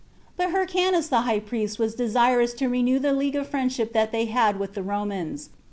2. But Hyrcanus the high priest was desirous to renew that league of friendship they had with the Romans.